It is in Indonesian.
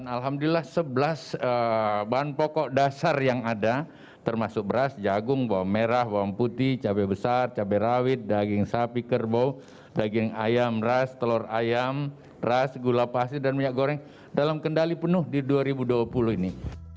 alhamdulillah sebelas bahan pokok dasar yang ada termasuk beras jagung bawang merah bawang putih cabai besar cabai rawit daging sapi kerbau daging ayam ras telur ayam ras gula pasir dan minyak goreng dalam kendali penuh di dua ribu dua puluh ini